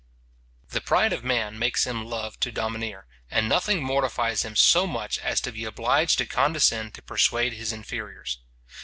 The pride of man makes him love to domineer, and nothing mortifies him so much as to be obliged to condescend to persuade his inferiors.